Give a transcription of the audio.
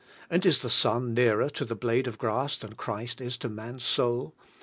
And is the sun nearer to the blade of grass than Christ is to man's soul?